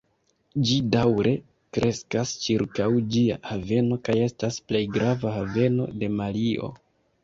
Ĝi daŭre kreskas ĉirkaŭ ĝia haveno kaj estas plej grava haveno de Malio.